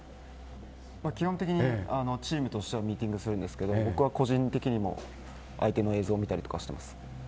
基本的にチームとしてミーティングをするんですが僕は、個人的にも相手の映像を見たりしています。